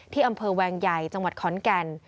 ที่อำเภอแวงใหญ่จังหวัดขอนแก่น